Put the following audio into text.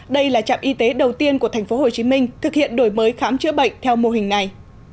đây là trạm y tế đầu tiên của tp hcm thực hiện đổi mới khám chữa bệnh theo mô hình này